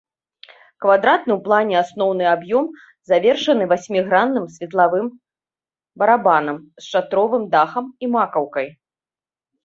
Квадратны ў плане асноўны аб'ём завершаны васьмігранным светлавым барабанам з шатровым дахам і макаўкай.